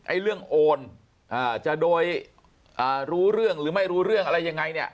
เรื่องโอนจะโดยรู้เรื่องหรือไม่รู้เรื่องอะไรยังไงเนี่ย